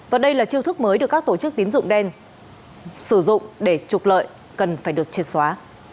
và đây là chiêu thức mới được các tổ chức tín dụng đen sử dụng để trục lợi cần phải được triệt xóa